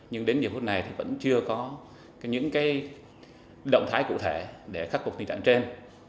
nhưng đến giờ phút này vẫn chưa có những động thái cụ thể để khắc phục tình trạng trên